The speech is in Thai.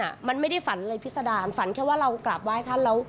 ว่าท่านมันไม่ได้ฝันอะไรพิสดารฝันแค่ว่าเรากลับไหว้ท่าน